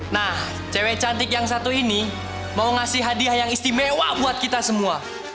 nah cewek cantik yang satu ini mau ngasih hadiah yang istimewa buat kita semua